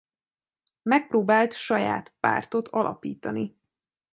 Megpróbált saját pártot alapítani.